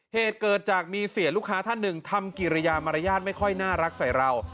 เหตุเกิดจากมีเสียลูกค้าท่านหนึ่งทำกิริยามารยาทไม่ค่อยน่ารักใส่เรา